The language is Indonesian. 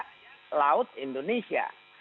tidak laut indonesia